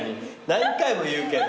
何回も言うけど。